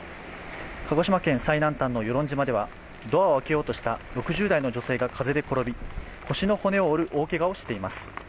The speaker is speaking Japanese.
鹿児島県最南端の与論島ではドアを開けようとした６０代の女性が風で転び腰の骨を折る大けがをしています。